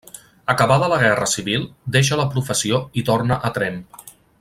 Acabada la guerra civil, deixa la professió i torna a Tremp.